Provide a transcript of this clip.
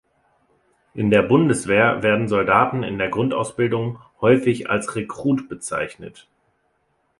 In der Bundeswehr werden Soldaten in der Grundausbildung häufig als Rekrut bezeichnet.